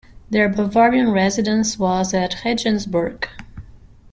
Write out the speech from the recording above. Their Bavarian residence was at Regensburg.